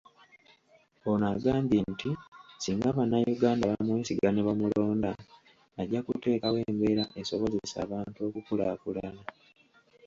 Ono agambye nti singa bannayuganda bamwesiga nebamulonda, ajja kuteekawo embeera esobozesa abantu okukulaakulana